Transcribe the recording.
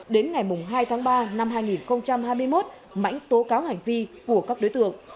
đến ngày hai tháng ba năm hai nghìn hai mươi một mãnh tố cáo hành vi của các đối tượng